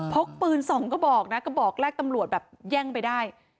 กปืนสองกระบอกนะกระบอกแรกตำรวจแบบแย่งไปได้